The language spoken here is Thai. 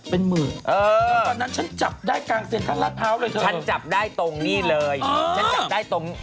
เป็นหมื่นนะครับเป็นหมื่น